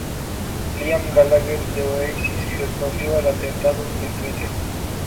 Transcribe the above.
Liam Gallagher de Oasis respondió al atentado en Twitter.